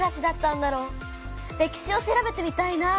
歴史を調べてみたいな。